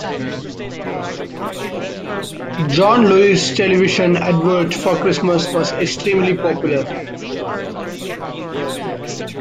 John Lewis’s television advert for Christmas was extremely popular